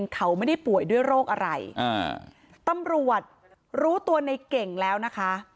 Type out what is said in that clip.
เขาไม่ได้ป่วยด้วยโรคอะไรอ่าตำรวจรู้ตัวในเก่งแล้วนะคะ